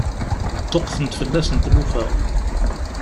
Ṭṭuqqtent fell-asen tlufa.